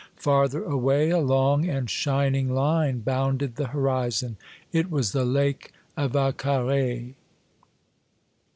Farther away a long and shining line bounded the horizon. It was the Lake of Vaccares.